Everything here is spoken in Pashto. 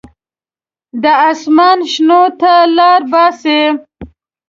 د اسمان شنو ته لاره باسي.